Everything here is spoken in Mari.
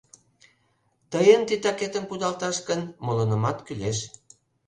— Тыйын титакетым кудалташ гын, молынымат кӱлеш.